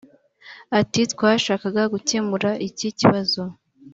Ati “Twashakaga gukemura iki kibazo